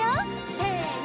せの！